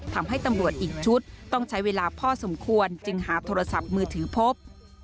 ทำให้ตำรวจอีกชุดต้องใช้เวลาพอสมควรจึงหาโทรศัพท์มือถือพบ